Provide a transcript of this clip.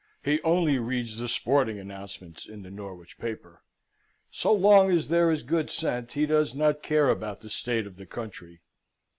He only reads the sporting announcements in the Norwich paper. So long as there is good scent, he does not care about the state of the country.